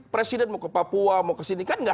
presiden mau ke papua mau kesini kan nggak